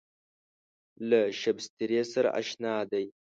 له شبستري سره اشنا دی.